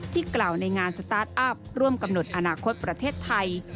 กล่าวในงานสตาร์ทอัพร่วมกำหนดอนาคตประเทศไทย